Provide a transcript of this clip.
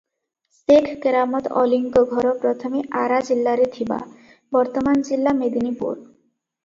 ସେଖ କେରାମତ୍ ଅଲିଙ୍କ ଘର ପ୍ରଥମେ ଆରା ଜିଲ୍ଲାରେ ଥିବା, ବର୍ତ୍ତମାନ ଜିଲ୍ଲା ମେଦୀନିପୁର ।